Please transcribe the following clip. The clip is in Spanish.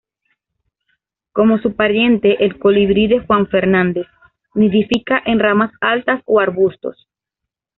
Como su pariente el colibrí de Juan Fernández, nidifica en ramas altas o arbustos.